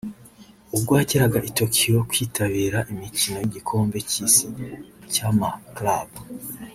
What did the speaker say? ubwo yageraga i Tokyo kwitabira imikino y'igikombe cy'isi cy'amaclub